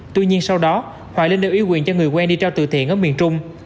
tuy nhiên sau đó hoài linh đều ý quyền cho người quen đi trao từ thiện ở miền trung